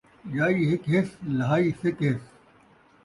ڄائی ہِک ہِس ، لہائی سِک ہِس